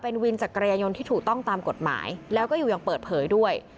วินจักรยานยนที่ถูกต้องตามกฎหมายแล้วก็อยู่ยังเปิดเผยด้วย